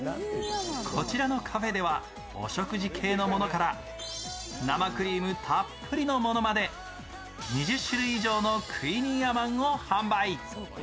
こちらのカフェではお食事系のものから生クリームたっぷりのものまで、２０種類以上のクイニーアマンを販売。